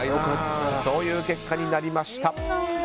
そういう結果になりました。